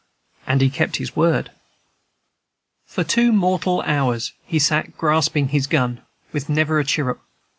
and he kept his word. For two mortal hours he sat grasping his gun, with never a chirrup.